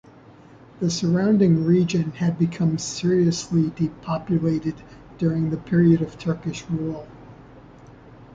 The surrounding region had become seriously depopulated during the period of Turkish rule.